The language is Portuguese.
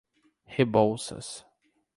Rebouças